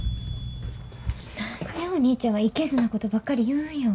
何でお兄ちゃんはいけずなことばっかり言うんよ。